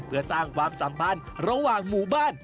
เพื่อสร้างความสัมพันธ์ระหว่างหมู่บ้าน